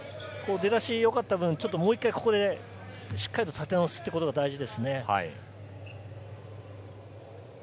出だし良かった分、もう一度、ここで立て直すということが大事ですね。